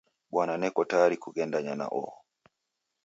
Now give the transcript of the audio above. Bwana neko tayari kughendanya na oho.